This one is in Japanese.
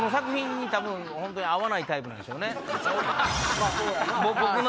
まぁそうやな。